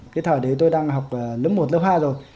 cái thời đấy tôi đang học lớp một lớp hai rồi